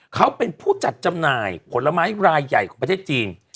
เขาเป็นผู้จัดจำหน่ายผลไม้รายใหญ่ของประเทศจีน